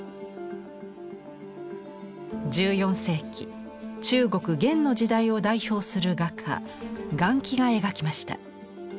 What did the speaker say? １４世紀中国・元の時代を代表する画家顔輝が描きました。